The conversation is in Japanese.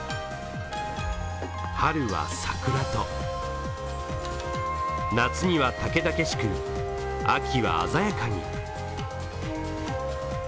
春は桜と、夏にはたけだけしく秋は鮮やかに。